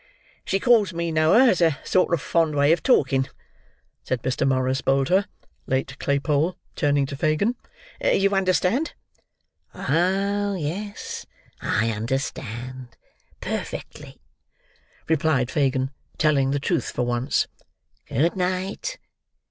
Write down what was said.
"She calls me Noah, as a sort of fond way of talking," said Mr. Morris Bolter, late Claypole, turning to Fagin. "You understand?" "Oh yes, I understand—perfectly," replied Fagin, telling the truth for once. "Good night!